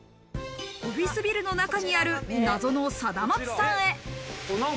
オフィスビルの中にある謎のサダマツさんへ。